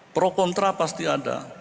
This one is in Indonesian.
pro kontra pasti ada